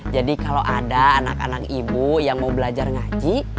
jadi kalau ada anak anak ibu yang mau belajar ngaji